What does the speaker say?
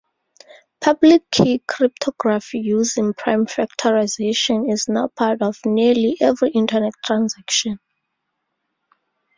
Public Key Cryptography using prime factorisation is now part of nearly every internet transaction.